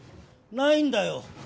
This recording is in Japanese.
ないんだよ